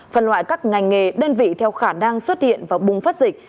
phân loại các ngành nghề đơn vị theo khả năng xuất hiện và bùng phát dịch